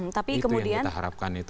itu yang kita harapkan